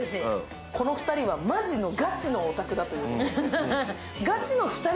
この２人はマジのガチのヲタクだということ。